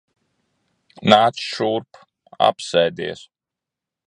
Nāc šurp. Apsēdies.